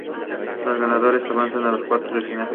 Los ganadores avanzan a los cuartos de final.